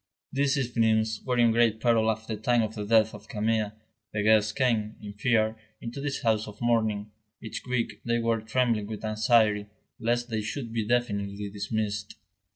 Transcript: These evenings were in great peril at the time of the death of Camille. The guests came, in fear, into this house of mourning; each week they were trembling with anxiety, lest they should be definitely dismissed.